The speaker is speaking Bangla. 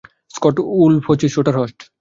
স্কট উলফ হচ্ছে শোটার হোস্ট।